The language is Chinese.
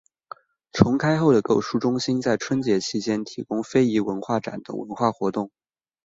重开后的购书中心在春节期间提供非遗文化展等文化活动。